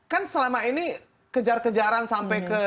kan selama ini kejar kejaran sampai ke